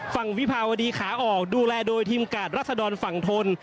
วิภาวดีขาออกดูแลโดยทีมกาดรัศดรฝั่งทน